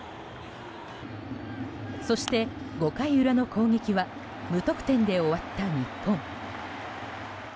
そして５回裏の攻撃は無得点で終わった日本。